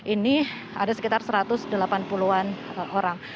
ini ada sekitar satu ratus delapan puluh an orang